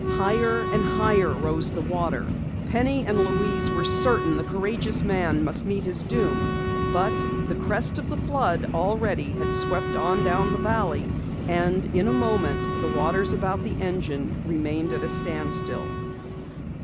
Higher and higher rose the water. Penny and Louise were certain the courageous man must meet his doom. But the crest of the flood already had swept on down the valley, and in a moment the waters about the engine remained at a standstill.